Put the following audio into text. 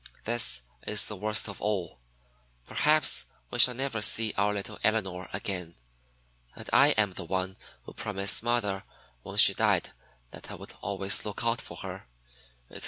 This is the worst of all. Perhaps we shall never see our little Elinor again; and I am the one who promised mother when she died that I would always look out for her.